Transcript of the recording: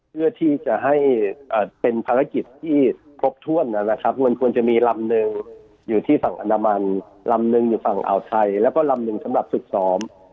เพื่อที่จะให้เป็นภารกิจที่ครบถ้วนนะครับมันควรจะมีลำหนึ่งอยู่ที่ฝั่งอนามันลำหนึ่งอยู่ฝั่งอ่าวไทยแล้วก็ลำหนึ่งสำหรับฝึกซ้อม